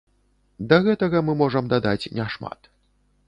Да гэтага мы можам дадаць не шмат.